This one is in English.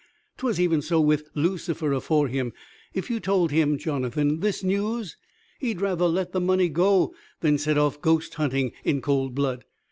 'Twas even so with Lucifer afore him. If you told him Jonathan this news, he'd rather let the money go than set off ghost hunting in cold blood.